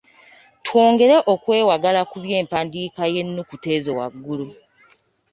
Twongere okwewagala ku by'empandiika y'ennyukuta ezo waggulu.